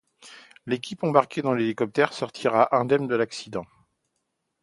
L'équipe embarquée dans l'hélicoptère sortira indemne de l'accident.